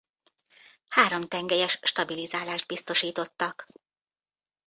Háromtengelyes stabilizálást biztosítottak.